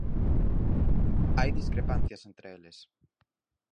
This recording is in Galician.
Hai discrepancias entre eles.